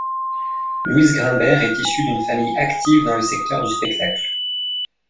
Louise Grinberg est issue d'une famille active dans le secteur du spectacle.